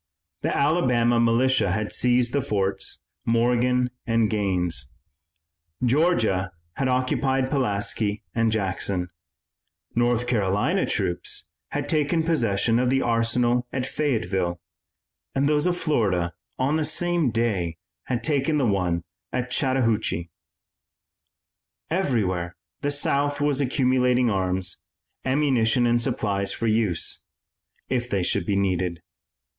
The Alabama militia had seized the forts, Morgan and Gaines; Georgia had occupied Pulaski and Jackson; North Carolina troops had taken possession of the arsenal at Fayetteville, and those of Florida on the same day had taken the one at Chattahoochee. Everywhere the South was accumulating arms, ammunition and supplies for use if they should be needed.